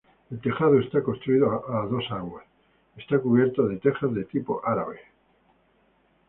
El tejado está construido a aguas, está cubierto de tejas de tipo árabe.